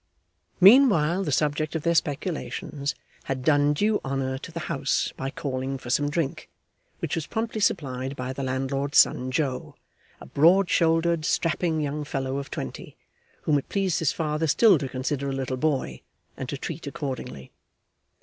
Meanwhile the subject of their speculations had done due honour to the house by calling for some drink, which was promptly supplied by the landlord's son Joe, a broad shouldered strapping young fellow of twenty, whom it pleased his father still to consider a little boy, and to treat accordingly.